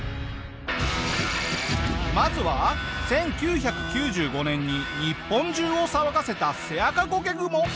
まずは１９９５年に日本中を騒がせたセアカゴケグモ。